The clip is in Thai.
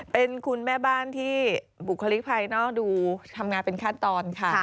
เป็นคุณแม่บ้านที่บุคลิกภายนอกดูทำงานเป็นขั้นตอนค่ะ